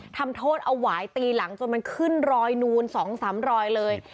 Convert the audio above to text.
ทำโทษเอาหวายตีหลังจนมันขึ้นรอยนูน๒๓รอยเลย